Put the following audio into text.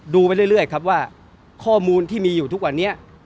ไปเรื่อยครับว่าข้อมูลที่มีอยู่ทุกวันนี้